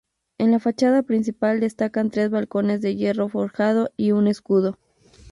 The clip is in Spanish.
En la fachada principal destacan tres balcones de hierro forjado y un escudo.